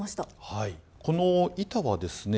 はいこの板はですね